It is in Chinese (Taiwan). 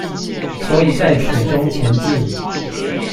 所以在水中前進